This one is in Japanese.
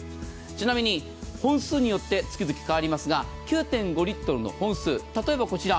ちなみに本数によって月々変わりますが９．５リットルの本数例えばこちら。